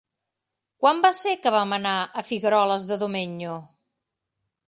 Quan va ser que vam anar a Figueroles de Domenyo?